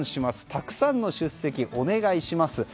たくさんの出席お願いします。